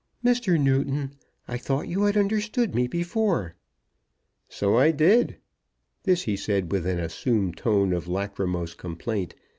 "Mr. Newton, I thought you had understood me before." "So I did." This he said with an assumed tone of lachrymose complaint.